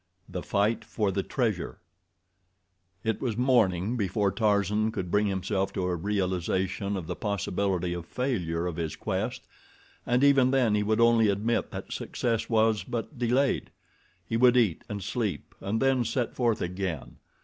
The Fight For the Treasure It was morning before Tarzan could bring himself to a realization of the possibility of failure of his quest, and even then he would only admit that success was but delayed. He would eat and sleep, and then set forth again.